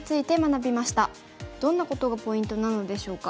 どんなことがポイントなのでしょうか。